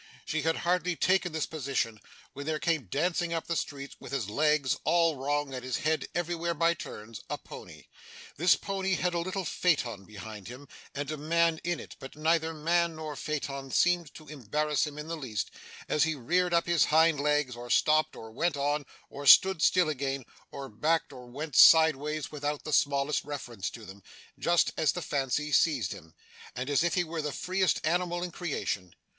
She had hardly taken this position, when there came dancing up the street, with his legs all wrong, and his head everywhere by turns, a pony. This pony had a little phaeton behind him, and a man in it; but neither man nor phaeton seemed to embarrass him in the least, as he reared up on his hind legs, or stopped, or went on, or stood still again, or backed, or went side ways, without the smallest reference to them just as the fancy seized him, and as if he were the freest animal in creation.